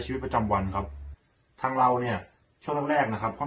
ชีวิตประจำวันครับทางเราเนี่ยช่วงแรกแรกนะครับก็